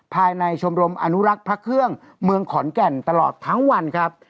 ภายในชมรมอนุรักษ์พระเครื่องเมืองขอนแก่นตลอดทั้งวันครับ